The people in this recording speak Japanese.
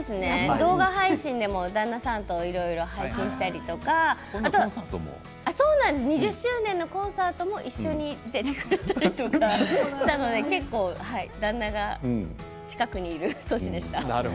動画配信でも旦那さんといろいろ配信したりとか２０周年のコンサートも一緒にやったりしたので結構、旦那が近くにいる年でした。